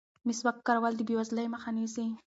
مسواک کارول د بې وزلۍ مخه نیسي.